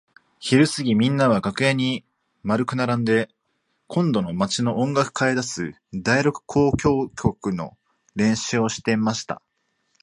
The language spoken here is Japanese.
ひるすぎみんなは楽屋に円くならんで今度の町の音楽会へ出す第六交響曲の練習をしていました。